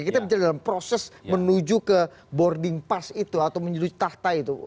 kita bicara dalam proses menuju ke boarding pass itu atau menjadi tahta itu